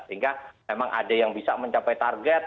sehingga memang ada yang bisa mencapai target